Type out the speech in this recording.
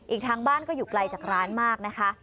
อีกทางบ้านก็อยู่ไกลจากร้านมากนะคะ